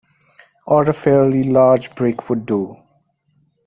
Or a fairly large brick would do.